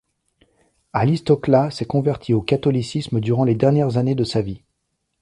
Alice Toklas s'est convertie au catholicisme durant les dernières années de sa vie.